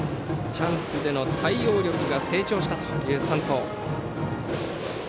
チャンスでの対応力が成長したという山藤。